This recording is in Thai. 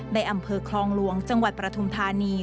ในอำเภอคลองหลวงจังหวัดปฐุมธานี